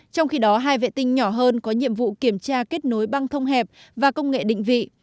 trong khi đó hai vệ tinh nhỏ hơn có nhiệm vụ kiểm tra kết nối băng thông hẹp và công nghệ định vị